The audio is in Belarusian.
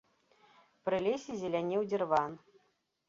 Пры лесе зелянеў дзірван.